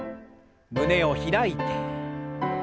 胸を開いて。